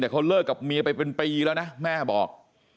แต่เขาเลิกกับเมียไปเป็นปีแล้วนะแม่บอก